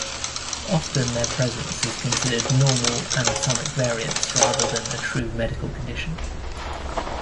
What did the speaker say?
Often their presence is considered normal anatomic variance rather than a true medical condition.